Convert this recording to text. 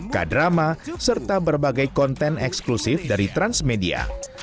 kadrama serta berbagai konten eksklusif dari indonesia